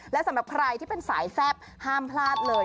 และสำหรับใครที่เป็นสายแซ่บห้ามพลาดเลย